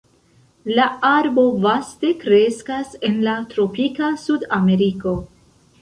La arbo vaste kreskas en la tropika Sudameriko.